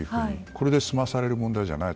これで済まされる問題じゃない。